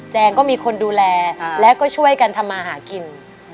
แงก็มีคนดูแลแล้วก็ช่วยกันทำมาหากิน